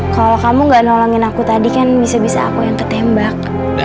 kalau kamu gak nolongin aku tadi kan bisa bisa aku yang ketembak